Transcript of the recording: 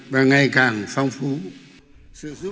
và ngày càng phong phóng